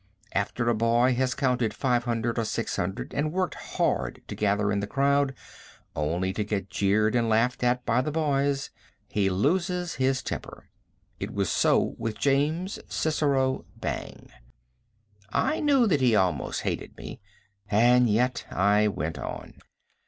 After a boy has counted 500 or 600, and worked hard to gather in the crowd, only to get jeered and laughed at by the boys, he loses his temper. It was so with James Cicero Bang. I knew that he almost hated me, and yet I went on.